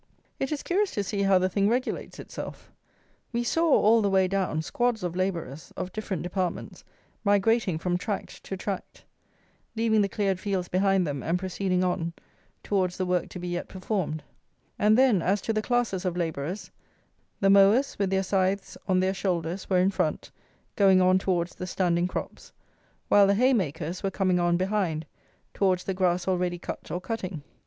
It is curious to see how the thing regulates itself. We saw, all the way down, squads of labourers, of different departments, migrating from tract to tract; leaving the cleared fields behind them and proceeding on towards the work to be yet performed; and then, as to the classes of labourers, the mowers, with their scythes on their shoulders, were in front, going on towards the standing crops, while the haymakers were coming on behind towards the grass already cut or cutting.